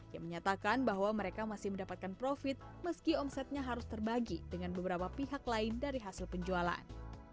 yang menyatakan bahwa mereka masih mendapatkan profit meski omsetnya harus terbagi dengan beberapa pihak lain dari hasil penjualan